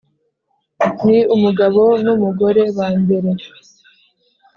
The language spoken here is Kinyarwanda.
ni umugabo n’umugore ba mbere.